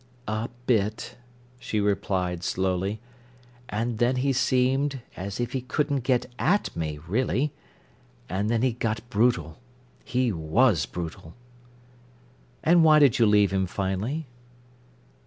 "A bit," she replied slowly. "And then he seemed as if he couldn't get at me, really. And then he got brutal—he was brutal!" "And why did you leave him finally?"